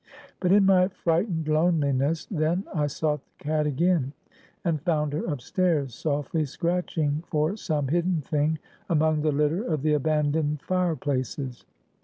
But in my frightened loneliness, then, I sought the cat again, and found her up stairs, softly scratching for some hidden thing among the litter of the abandoned fire places.